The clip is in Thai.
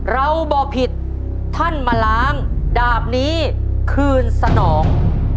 เราบอกผิดท่านมาล้างดาบนี้คืนสนอง